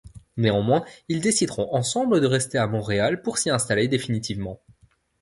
Néanmoins, ils décideront ensemble de rester à Montréal pour s'y installer définitivement.